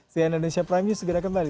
si anandansya prime news segera kembali